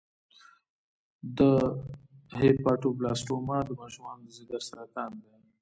د هیپاټوبلاسټوما د ماشومانو د ځګر سرطان دی.